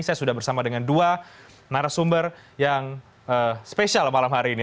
saya sudah bersama dengan dua narasumber yang spesial malam hari ini